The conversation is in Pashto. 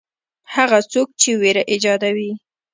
هغه څوک چې وېره ایجادوي.